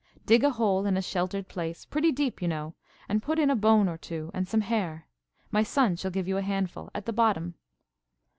"Dig a hole in a sheltered place, pretty deep, you know, and put in a bone or two, and some hair (my son shall give you a handful) at the bottom.